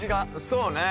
そうね。